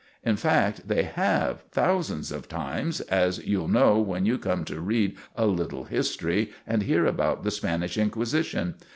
In fact, they have thousands of times, as you'll know when you come to read a little history and hear about the Spanish Inquisition.